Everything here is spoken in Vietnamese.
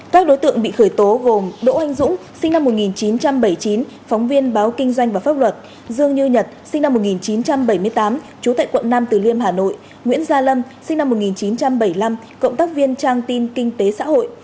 các đối tượng bị khởi tố gồm đỗ anh dũng sinh năm một nghìn chín trăm bảy mươi chín phóng viên báo kinh doanh và pháp luật dương như nhật sinh năm một nghìn chín trăm bảy mươi tám trú tại quận nam từ liêm hà nội nguyễn gia lâm sinh năm một nghìn chín trăm bảy mươi năm cộng tác viên trang tin kinh tế xã hội